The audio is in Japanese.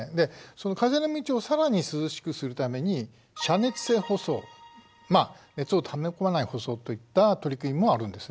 その風の道をさらに涼しくするためにまあ熱をため込まない舗装といった取り組みもあるんですね。